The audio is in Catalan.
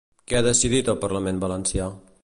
Què ha decidit el parlament valencià?